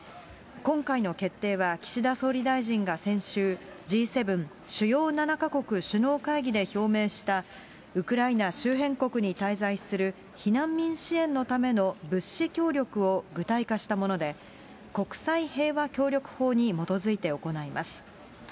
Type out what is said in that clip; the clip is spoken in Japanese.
今回の決定は岸田総理大臣が先週、Ｇ７・主要７か国首脳会議で表明した、ウクライナ周辺国に滞在する避難民支援のための物資協力を具体化したもので、国際平和協力法に基づいて行います。